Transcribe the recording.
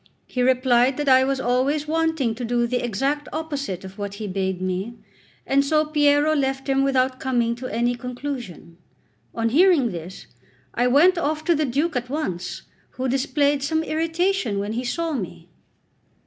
He replied that I was always wanting to do the exact opposite of what he bade me; and so Piero left him without coming to any conclusion. On hearing this, I went off to the Duke at once, who displayed some irritation when he saw me.